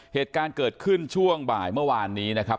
เหตุการณ์เกิดขึ้นช่วงบ่ายเมื่อวานนี้นะครับ